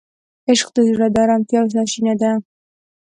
عشق د زړه د آرامتیا سرچینه ده.